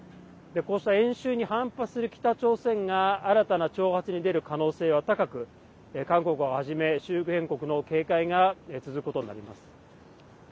こうした演習に反発する北朝鮮が新たな挑発に出る可能性は高く韓国をはじめ周辺国の警戒が続くことになります。